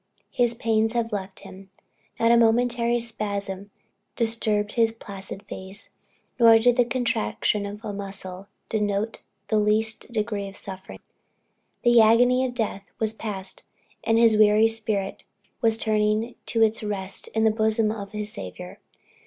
his pains had left him, not a momentary spasm disturbed his placid face, nor did the contraction of a muscle denote the least degree of suffering; the agony of death was passed, and his wearied spirit was turning to its rest in the bosom of his Saviour.